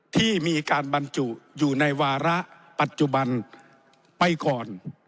ที่มีการบรรจุอยู่ในวาระปัจจุบันไปก่อน